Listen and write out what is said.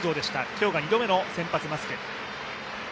今日が２度目の先発マスク。